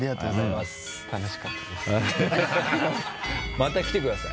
また来てください。